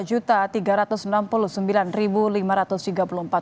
dua satu ratus sembilan puluh tiga lima ratus tiga puluh empat suara